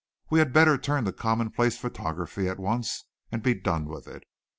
We had better turn to commonplace photography at once and be done with it.